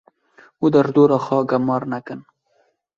Û derdora xwe gemar nekin.